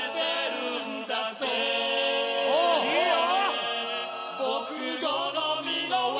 ・いいよ！